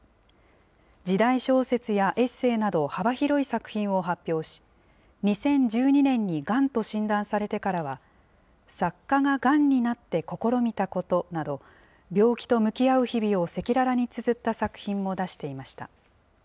時代小説やエッセイなど、幅広い作品を発表し、２０１２年にがんと診断されてからは、作家がガンになって試みたことなど、病気と向き合う日々を赤裸々につづった作品も出していました。